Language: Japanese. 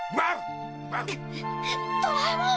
ドラえもん！